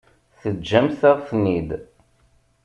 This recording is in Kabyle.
Teǧǧamt-aɣ-ten-id.